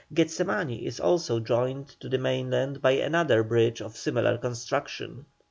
Getzemani is also joined to the mainland by another bridge of similar construction.